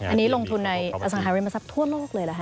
อันนี้ลงทุนในอสังหาริมทรัพย์ทั่วโลกเลยเหรอค